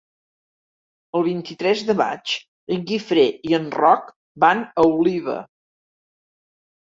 El vint-i-tres de maig en Guifré i en Roc van a Oliva.